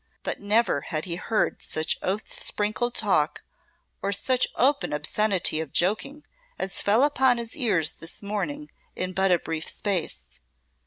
But never had he heard such oath sprinkled talk or such open obscenity of joking as fell upon his ears this morning in but a brief space.